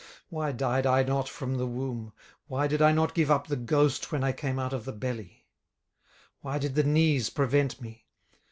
18:003:011 Why died I not from the womb? why did I not give up the ghost when I came out of the belly? 18:003:012 Why did the knees prevent me?